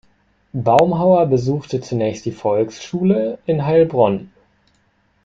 Baumhauer besuchte zunächst die Volksschule in Heilbronn.